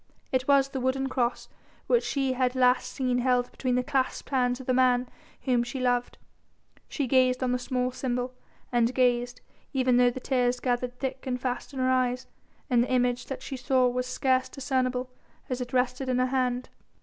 It was the wooden cross which she had last seen held between the clasped hands of the man whom she loved. She gazed on the small symbol, and gazed, even though the tears gathered thick and fast in her eyes and the image that she saw was scarce discernible as it rested in her hand.